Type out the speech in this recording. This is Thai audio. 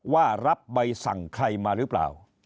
ว่ารับใบสั่งใครมาหรือเปล่า